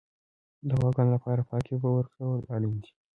د غواګانو لپاره پاکې اوبه ورکول اړین دي.